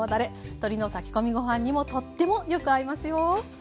鶏の炊き込みご飯にもとってもよく合いますよ。